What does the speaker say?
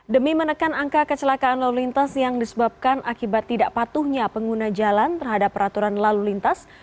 demi menekan angka kecelakaan lalu lintas yang disebabkan akibat tidak patuhnya pengguna jalan terhadap peraturan lalu lintas